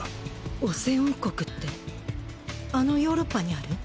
オセオン国ってあのヨーロッパにある？